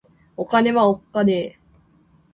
お金はおっかねぇ